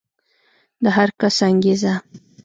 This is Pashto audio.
د هر کس انګېزه